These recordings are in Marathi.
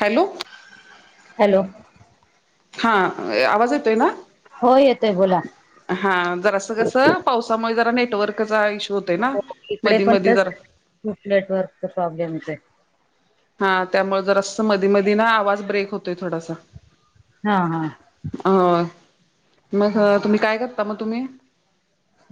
हॅलो [inaudible] हॅलो, हा आवाज येतोय ना हो येतोय बोला [inaudible] हा जर कस पावसामुळे जरा नेटवर्क आ येशु होतय ना इकडे मधे पण मधे तस जरा [inaudible] खूप नेटवर्कचा प्रॉब्लेम येतोय हा त्यामुळे जर अस मधी-मधी ना आवाज ब्रेक होतोय थोडासा हा हा [inaudible] अ मग तुम्ही काय करता मग तुम्ही,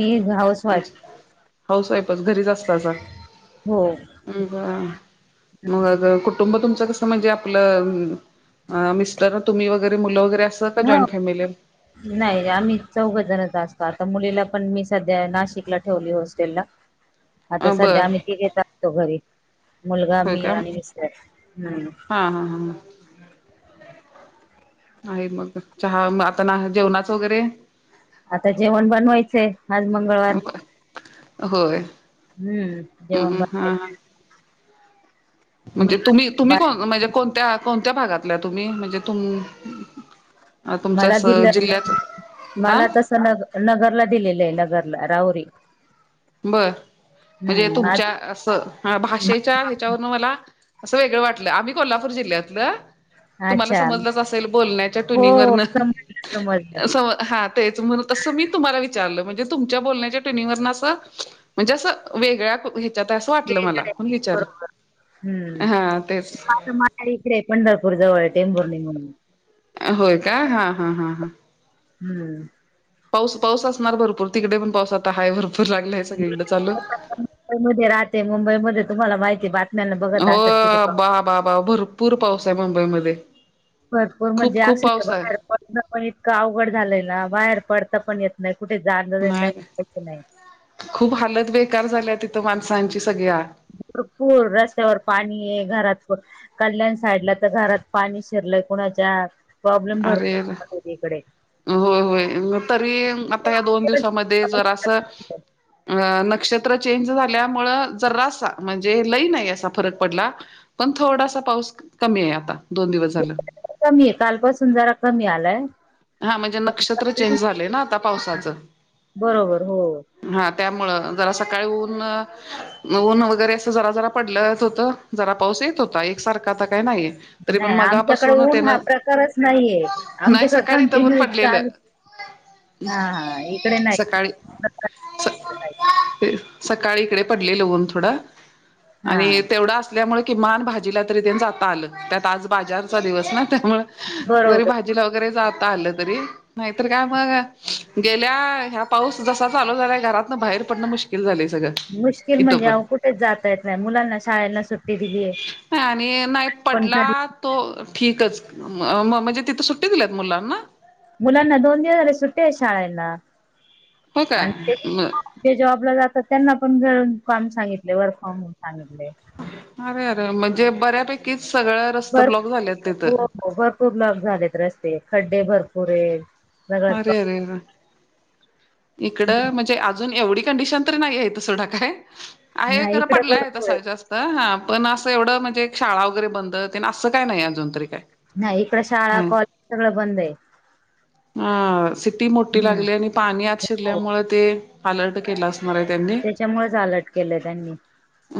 मी हाऊस वाईफ. हाऊस वाईफच घरीच असत असे हो मग कुुठ म्ह तुमचे कसं आपलं मिस्टर तुम्ही वैगैरे मुल वैगैरे, हो नाही आम्ही चौघजणच असतो. आता मुलीला पण मी सध्या नाशिकला ठेवले हॉस्टेलला, आता आहे सध्या बर आम्ही तीघेच असतो घरी, मुलगा होय मी का आणि मिस्टर हम्म, हा हा [inaudible] हा आहे मग चहा आता ना जेवणाच वगैरे? आता जेवण बनवायचंय. आज मंगळवार, होय हम्म जेवण हम्म हा हा बणवायचाय. म्हणजे तुम्ही तुम्ही को म्हणजे कोणत्या कोणत्या भागातल्या तुम्ही म्हणजे तुम अ मला तुमच्यास दिलं जिल्ह्यात मला तस न नगरला दिलेलं आहे नगरला राहोरी. बर म्हणजे तुमच्या असं भाषेच्या ह्याच्यावरन मला असं वेगळं वाटलं आम्ही कोल्हापूर जिल्ह्यातलं तुम्हाला अच्छा समजलंच असेल बोलण्याच्या हो ट्युनिंग वरन समजलं समजलं स हा तेच म्हणून तसं मी तुम्हाला विचारलं म्हणजे तुमच्या बोलण्याच्या ट्युनिंगवरन असं म्हणजे अस वेगळया हेहा [unintelligible] बरोबर हम्म, हा तेच आता माझ्या इकडे पंढरपूर जवळ टेंबूरणे म्हणून होय का हा-हा-हा-हा हम्म, पाऊस पाऊस असणार भरपूर तिकडे पण पाऊस आता आहे भरपूर पुर लागलाय मी सगळीकड चालू, स्वतः मुंबईमध्ये राहते मुंबईमध्ये तुम्हाला माहिती बातम्यांना बघत हो असेल किती पाऊस. बा-बा-बा भरपूर पाऊस आहे मुंबईमध्ये भरपूर म्हणजे खूप खूप अक्षर पाऊस आहे बाहेर पडणं पण इतकं अवघड झालंय ना बाहेर पडता पण येत नाही. कुठे जाणं नाही जायचं नाही खूप [inaudible] हालत बेकार झाल्या तिथं माणसांची. सगळ्या भरपूर रस्त्यावर पाणी आहे घरात, कल्याण साईडला तर घरात पाणी शिरलंय कुणाच्या प्रॉब्लेम भरपूर आह इकडे होय-होय तरी आता या दोन दिवसामध्ये जर असं अ नक्षत्र चेंज झाल्यामुळे जरासा म्हणजे लई नाही अस फरक पडला पण थोडासा पाऊस कमी आहे आता, दोन दिवस झालं कमी आहे कालपासून जरा कमी आलाय हा म्हणजे नक्षत्र चेंज झालेय ना आता पावसाच बरोबर हो हा, त्यामुळ जरा सकाळी ऊन-ऊन वगैरे असं जरा जरा पडलंच होतं जरा पाऊस येत होता एका सारखा आता. नाही येत नाही पणमगा आमच्याकडे पासून ऊन तेन हा प्रकारच नाहीये नाही सा आमच्याकडे काधितवून कंटिन्यू पडलेलं चालू [inaudible] हा हा इकडे [unintelligible] नाही सकाळी सकाळी इकडे पडन थोडा हा आणि तेवढा असल्यामुळे किमान भाजीला तरी ते जात आलं त्यात आज बाजारचा दिवस ना त्यामुळ जरी बरोबर भाजीला वगैरे जाता आलं तरी नाहीत काय मग गेल्या पाऊस जसा चालो झाल्या घरातून बाहेर पडणं मुश्किल झालेस. मुश्किल म्हणजे अ कुठेच जाता येत नाही मुलांना शाळेना सुट्टी दिली आहे. नाही आणि नाही पडला तो ठीकच म्हणजे तिथं सुट्टी दिल्यात मुलांना. मुलाना दोन झाले सुट्टे शाळेेला. हो काय आणि म ते जॉबला जातात त्यांना पण घर काम सांगितले वर्क फॉम होम सांगितले. अरे म्हणजे बऱ्यापैकी भरपूर हो हो भरपूर ब्लॉक झालेत रस्ते खड्डे भरपूर आहेत. सगळंच अरे, अरे अरे इकडं म्हणजे अजून एवढी कंडिशन तररी नाही आहे त सोडा काय. आहे नाही खरं इकडे पडला आहे भरपूर तसाय जास्त हा पण असं एवढं म्हणजे शाळा वगैरे बंदते असं काही नाही अजून तरी. काय नाही इकड शाळा हाय कॉलेज सगळं बंद आहे. अ सि्टी मोठी हम्म लागली आणि पाणी आत हो शिरल्यामुळे ते अलर्ट केला असत त्याच्यामुळेच अलर्ट केलंय त्यांनी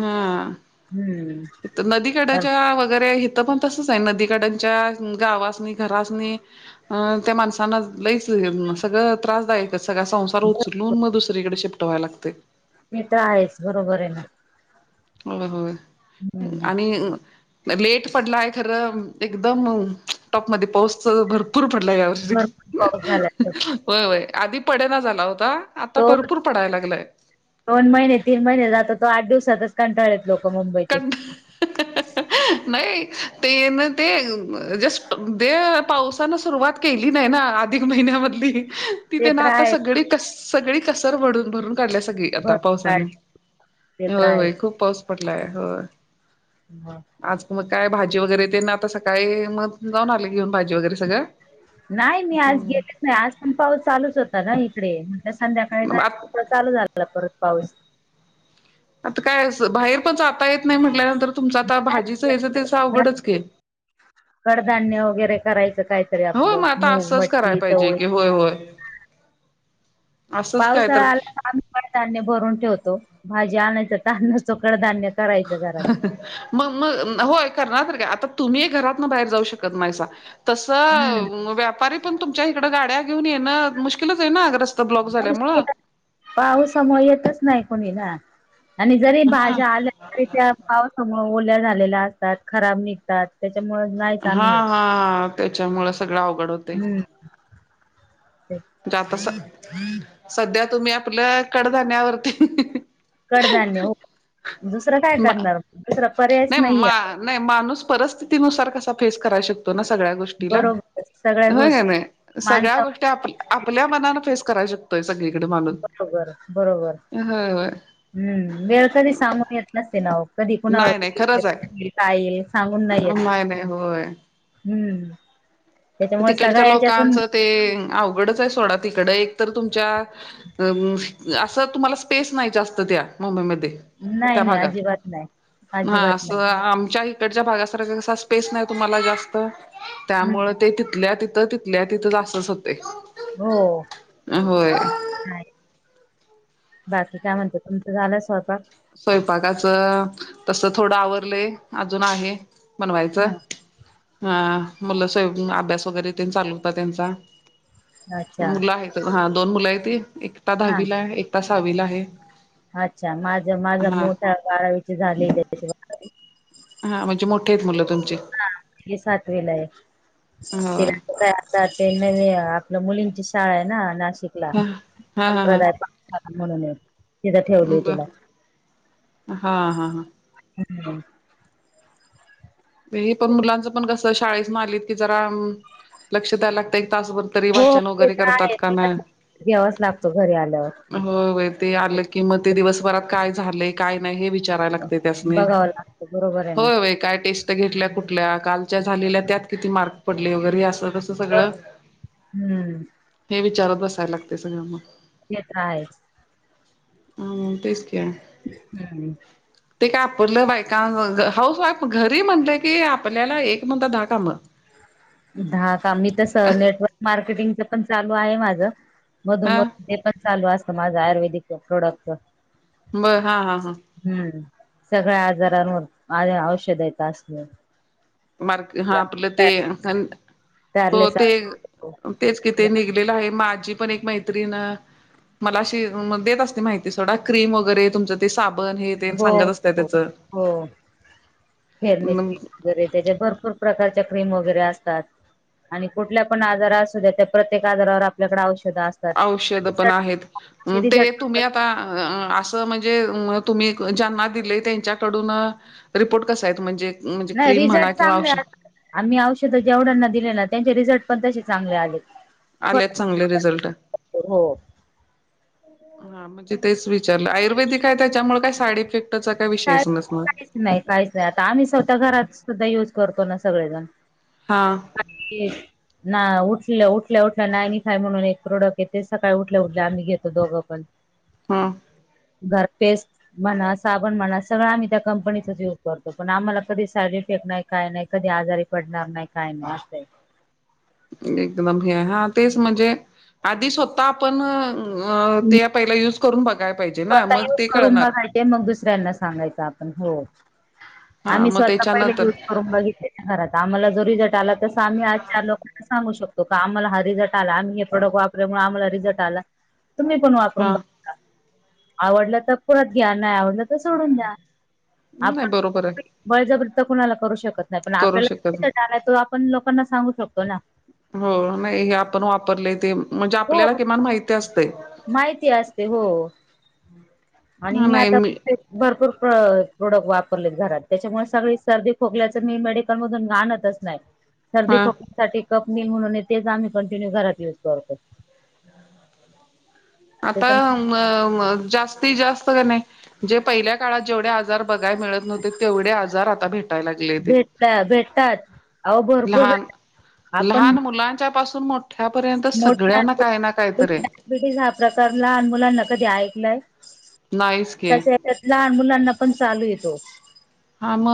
हा हम्म [inaudible] तर तर नदीकड्याच्या वगैरे पण तसच नदीच्या गावासनि घरासनी, [unintelligible] लच सगळं त्रासदायकच सगळा संसार उचलून मग दुसरीकडे शिपटवाय लागते. हे तर आहेच बरोबर आहे ना. होय, होय हम्म आणि-' लेट पडलाय खरं एकदम टॉपमध्ये पाऊस भर पूर पडला या वर्षी भरपूर पाऊस झालाय होय होय आधी पडे ना झाला होता. आता तो भरपूर पडायला लागलाय दोन महिने तीन महिने जातो तो आठ दिवसातच कंटाळे. नाही. तेन ते जस्ट ते पावसान सुरवात केली नाही ना अधिक महिना ते तिथेन तर आता आहे सगळी, सगळी कसर भरून, भरून काढल्या सगळी आता भरपूर पावसान काढले ते तर होय होय खूप पाऊस पड आहेच हो आज मग काय भाजी वगैरे ते ना आता सकाळी मग जाऊन आले घेऊन भाजी वगैरे सगळ. नाही मी आज गेलेच नाही आज पण पाऊस चालूच होता ना इकडे. संध्याकाळी आ जायच त चालू झालेला परत पाऊस. आता काय अस बाहेर पण जाता येत नाही म्हटल्यान तर तुमच आता भाजीच हेच त्यास अवघडच के कडधान्य वगैरे करायचं कायतरी होय आपलं मग आता मूग, मटकी, चवळी, ह [inaudible] पावसाळा आला तर आम्ही कड धान्य भरून ठेवतो भाजी आनायचा तान नसतो धान्या मग, मग होय करणारार तरी काय आता तुम्ही घरात बाहेर जाऊ शकत नाही तस हम्म व्यापरी पण तुमच्या इकडे गाड्या घेऊन येणं मुश्कलच आहे ना अ रस्त ला पाऊसामुळे येतच नाही कोणी आणि जरी हा भाज्या आल्या तरी त्या पावसमोर ओल्या झालेल्या असतात खराब निघतात त्या हा हा त्याच्यामुळ सगळ अवघड होते. हम्म ते जात सध्या तुम्ही आपल कडधान्यावरती कडधान्य हो दुसरं काय मा करणार दुस नाही मा नाही माणूस परिस्थितीनुसार कसा फेस कराय शकतो ना सगळ्या गोष्टीला बरोबर सगळ्या हो का गोष्टी नाही सगळ्या माणसावर गोष्टी आप आपल्या मनान फेस करायच. बरोबर, बरोबर होय होय हम्म वेळ कधी सगून येत नसते नाही. कधी कुणा नाही नाही खरंच आहे. का येईल सांगून नाहीयेत नाही नाही होय. हम्म. त्याच्यामुळे तिकडच्या सगळ्या याच्यातून लोकांचं ते अवघडच आहे सोडा तिकड एक तर तुमच्या अस तुम्हाला स्पेस नाही जास्त त्या मुंबईमध्ये. नाही नाही त्याभागात अजिबात नाही ह अजिबात अस नाही आमच्या च्या भागासारख कस स्पेस नाही तुम्हाला जास्त त्यामुळे हम्म तिथल्या तिथं तिथल्या तिथं असत होत. हो होय. नाही बाकी काय म्हणते तुमचं झालंय स्वयपाक? स्वयंपाकाच तस थोडं आवरले अजून आहे. बनवायचं हा ह. मुलं स्वय अभ्यास वगैरे चालू होता त्यांचा अच्छा मुलं आहे हा. दोन मुला आहेत एकता हा दहावीलाय एकटा सहावीला आहे. अच्छा माझ माझा हा मोठा बारावीची झाली त्याची बारावी. हा म्हणजे मोठे आहेत मुलं तुम हा ये सातवीलाय तिया होय तर काय आता ते नवीन आपल्या मुलींची शाळा आहे ना नाशिकला हा हा हा हा संप्रदा म्हणून. तिथं ठेवलय बर तिला हा हा हा ह. पण मुलांचं पण कस शाळेस न आलीत की जरा लक्ष द्याय लागतय. तासभर तरी हो वाचन ते वगैरे तर करतात आहे का नाही. घ्यावाच लागतो घरी आल्यावर होय होय ते आलं कि मग ते दिवसभरात काय झालय काय नाही हे विचाराय लागत त्यासनी बघावं लागतं बरोबर आहे ना होय होय काय टेस्ट घेतल्या कुटल्या कालच्या झालेल्या त्यात किती मार्क पडले वैगरे असं. तर कस बर सगळं हम्म हे विचारात बसायला लागते सगळ्यांना. हे काय? ह तेचं कि. हम्म. ते काय आपरलं बायकां हाऊस वाईफ घरी म्हटलं की आपल्याला एक म्हणता दहा कामं. दहा का मी तस नेटवर्क मार्केटिंगच पण चालू आहे माझ. मधून हा मधून ते पण चालू असत माझं आयुर्वेदिक प्रोडक्टचं. बर हा हा हा. सगळ्या आजारांवर औषध असल. मार्क हा आपलं ते हो कारले ते सासव तेच किथ निघलेलं आहे माझी पण एक मैत्रीण मला अशी देत असते माहीती सोडा क्रीम वैगरे तुमच्या ते साबन हो हो हो फेरणी वगैरे त्याच्या भरपूर खूप प्रकारच्या क्रीम वगैरे असतात. आणि कुठल्या पण आजार असू द्या त्या प्रत्येक आजारावर आपल्याकडे आवश्यक औषध पण आहेत ते रिझल्ट तुम्ही आता म्हणजे तुम्ही ज्यांना दिले त्यांच्याकडून रिपोर्ट कस आहेत म्हणजे म्हणजे नाही क्रीम म्हणा रिझल्ट किंवा चांगले औषध आम्ही औषध जेवणांना दिले ना त्यांचे रिझल्ट पण तसे चांगले आले. आलेत चांगले रिझल्ट. हो हा म्हणजे तेच विचारलं आयुर्वेदिक आहे त्याच्यामुळे काय साईड इफेक्ट काहीच नाही काहीच नाही आता आम्ही स्वतः घरात सुद्धा युज करतो ना सगळेजण. हा काही ना उठ उठल्या उठल्या उठल्या [unintelligible] काय म्हणून एक प्रोडक्ट येते सकाळी उठल्या उठल्या आम्ही घेतो दोघं पण. हम्म. घर पेस् मणा सा पण म्हणा सगळं आम्ही त्या कंपनीचाच यूज करतो पण आम्हाला कधी साईड इफेक्ट नाही काय नाही कधी आजारी पडणार नाही काय नाही असंय. एकदम हे हा तेच म्हणजे आधी स्वतः आपण ते पहि युज करून बघायला पाहिजे ना स्वतः मग युज ते करून कळणार. बघायचे मग दुसऱ्यांना सांगायचं आपण हो. [inaudible] आम्ही स्वतः पहिले त्याच्यानंतर युज करून बघितले ना घरात आम्हाला जो रिझल्ट आला तस आम्ही आजच्याार लोकांना सांगू शकतो. तो का आम्हाला हा रिझल्ट आला आम्ही हे प्रॉडक्ट वापरल्यामुळे आम्हाला रिझल्ट आला. तुम्ही पण वापरून हा बघता आवडलं तर पुत ज्ञान नाही आवडलं. सोडून द्या नाही बरोबर आहे आपण बळजबर कुणाला करू शकत नाही पण करू शकत. आपल्याला जाणार आहे तो आपण लोकांना सांगू शकतो ना. हो नाही हे आपण वापरले ते म्हणजे हो आपल्याला किमान माहिती असते माहिती असते हो. आणि हा मी नाही आता भरपूर प्रोडक्ट वापरले घरात त्याच्यामुळे सगळी सर्दी खोकल्याच मी मेडिकल मधून आणतच नाही. सर्दी, हा खोकल्यासाठी कपनील म्हणून तेच आम्ही कंटिन्यू घरात युज करतो. आता त्याच्यामुळे जास्तीत जास्त नाही जे पहिल्या काळात जेवढे आजार बघाय मिळत नव्हते तेवढे आजार आता भेटायला लागले ते. भेटता भेटतात अहो भरपूर लहान भेट लहान मुलांच्या पाासून मोठ काहीतरी आहे. डायबिटीस हा प्रकार मुलांना कधी ऐकलंय? नाहीच की त्याच्याच्यात लहान मुलांना पण चालू येतो. हा म.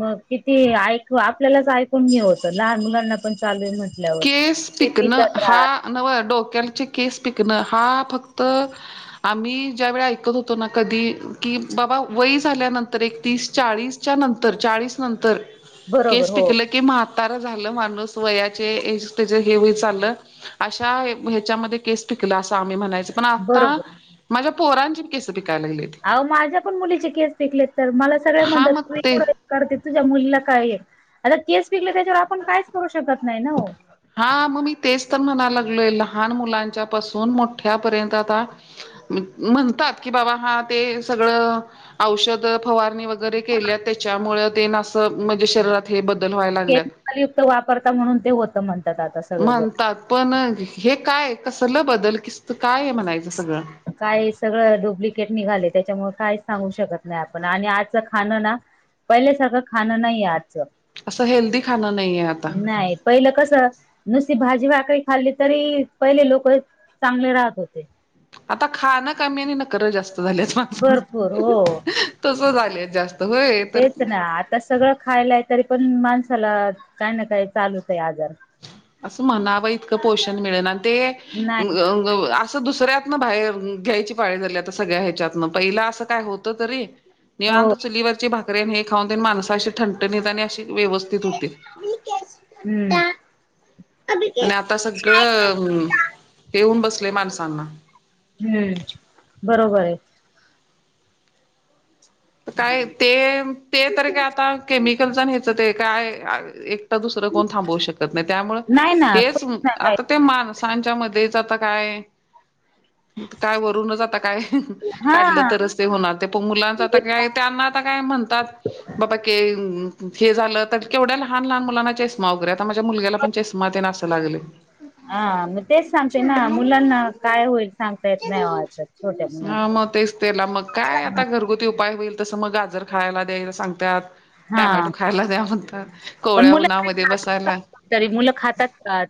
मग किती ऐक आपल्यालाच ऐकून हे होतं लहान मुलांना पण चालू आहे म्हण केस पिकणं हा नव डोक्याचे केस पिकणं हा फक्त क्त आम्ही ज्या वेळी ऐकत होतो ना कधी कि बाबा वय झाल्यानंतर एक तीस चाळीस च्या नंतर चाळीस नंतर केस बरोबर हो पिकल की म्हातारा झालं माणूस वयाच्या येज त्याच हे होत चाललं अश्या हेच्या मध्ये केस पिकला अस आम्ही म्ह पण आता बरोबर माझ्या पोरांची केस पिकायलाग अहो माझ्या पण मुलीचे केस पीकलेत तर मला सगळे हा म्हणतात मग ते एवढं करते तुझ्या मुलीला काय? आता केस पिकले त्याच्यावर आपण कायच करू शको? हा मग मी तेच तर म्हणायला लागलो. लहान लहान मुलांच्या पासून मोठया पर्यंत आता म्हणतात कि बाबा ते सा सगळं औषध फवारणी वगैरे केल्या त्याच्यामुळे ते नासं म्हणजे शरीरात हे बदल व्हायला लागल्यात. केमिकल युक्त वापरता म्हणून ते होतं म्हण. म्हणतात पण हे काय कसलं बदल किस्त काय म्हणायचं. सगळं काय सगळं डुप्लिकेट निघाले त्याच्यामुळे. काही सांगू शकत नाही आपण आणि आजच खाणं ना पहिल्या सारखं खाणं नाही आज. असं हेल्दी खाणं नाहीये आता नाही पहिलं कस नुसती भाजी भा करी खाल्ली तरी पहिले लोक चांगले राहत होते. आता खान कमी आणि नखर जास्त. झालेत भरपूर हो. तस झाले जास्त होय तर. तेच ना आता सगळं तरी पण माणसाला काय ना काय चालूत आहे आजार. असं म्हणाव इतकं पोषण मिळेल आणि ते नाही अस दुसऱ्यातन बाहेर घ्यायची पाळी झाली आता सगळ्या ह्याच्यातन पहिला असं काय होत तरी. हो निवांत चुलीवरची भाकरीेन हे खाऊन देन माणस अशी ठणठणीत आणि अशी. व्यवस्थित होते. हम्म आणि आता सगळंं हेऊन बसले माणसांना हम्म बरोबर आहे. काय ते ते तर काय आता केमिकलण ह्यायचं ते काय. दुसरं कोण थांबवू शकत नाही त्यामुळे नाही ना हेच खूप आता ते मान. ांच्या मध्येच आता काय. काय वरुून जाता काय हा काढलं तरच ते होणार ते पण मुलांचं तेच त्यांना आता काय म्हणतात बाबा कि हे झालं तर केवढ्या लहान लहान मुलांना [unintelligible] पण चष्मा तेन असं लागलय ह म तेच सांगते ना मुलांना काय होईल सांगता येत नाहीजं. हा मग तेच तेला मग काय आता घरगुती उपाय होईल तसं मग गाजर खायला द्यायला सांग त्यात. हा टॅमॅटो खायला द्या म्हणतात पण कोवळ्या मुलं उन्हामध्ये बसायला. तरी मुलं खातात का?